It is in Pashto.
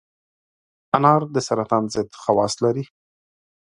انار د سرطان ضد خواص لري.